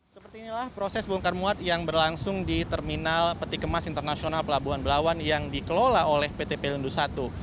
seperti inilah proses bongkar muat yang berlangsung di terminal peti kemas internasional pelabuhan belawan yang dikelola oleh pt pelindung i